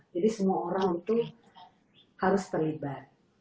jadi semua orang itu harus terlibat